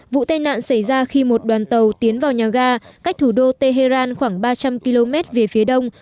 vụ tai nạn xảy ra khi một đoàn tàu tiến vào nhà ga cách thủ đô tehran khoảng ba trăm linh km về phía đông